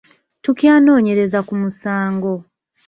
Tukyanoonyereza ku munsango.